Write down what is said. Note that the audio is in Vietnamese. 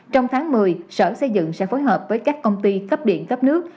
trong tháng một mươi sở xây dựng sẽ phối hợp với các công ty cấp điện cấp nước